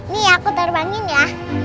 nih aku terbangin ya